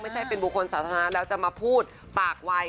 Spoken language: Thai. ไม่ใช่เป็นบุคคลสาธารณะแล้วจะมาพูดปากวัย